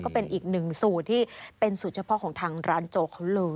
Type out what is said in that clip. ก็เป็นอีกหนึ่งสูตรที่เป็นสูตรเฉพาะของทางร้านโจ๊เขาเลย